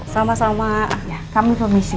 sama sama kami permisi